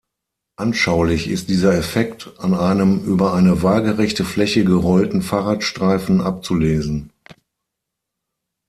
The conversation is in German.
Anschaulich ist dieser Effekt an einem über eine waagrechte Fläche gerollten Fahrradreifen abzulesen.